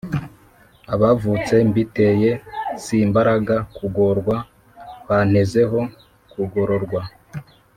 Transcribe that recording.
Abavutse mbiteye Simbaraga kugorwa Bantezeho kugororwa ?